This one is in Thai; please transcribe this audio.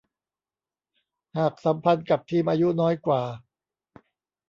หากสัมพันธ์กับทีมอายุน้อยกว่า